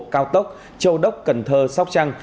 cao tốc châu đốc cần thơ sóc trăng